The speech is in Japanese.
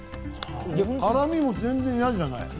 辛味も全然嫌じゃない。